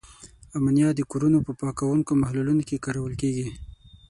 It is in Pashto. امونیا د کورونو په پاکوونکو محلولونو کې کارول کیږي.